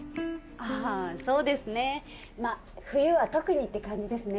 ああそうですねまあ冬は特にって感じですね